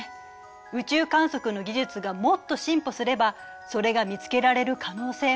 宇宙観測の技術がもっと進歩すればそれが見つけられる可能性もある。